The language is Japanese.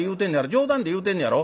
冗談で言うてんねやろ？